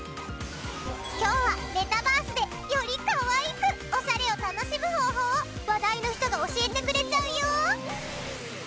今日はメタバースでよりかわいくオシャレを楽しむ方法を話題の人が教えてくれちゃうよ！